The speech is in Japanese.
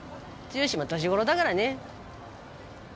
剛も年頃だからね。